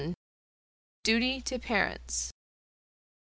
DUTY TO PARENTS.